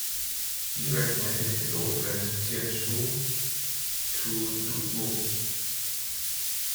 He recommended his old friend Jian Shu to Duke Mu.